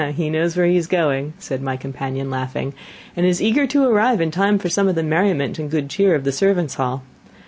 "He knows where he is going," said my companion, laughing, "and is eager to arrive in time for some of the merriment and good cheer of the servants' hall.